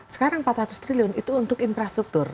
sekarang empat ratus triliun itu untuk infrastruktur